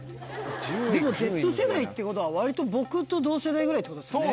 でもＺ世代ってことは割と僕と同世代ぐらいってことですよね。